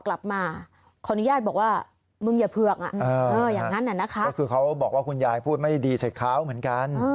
คือเขาบอกว่าคุณยายพูดไม่ดีเสร็จคร้าวเหมือนกัน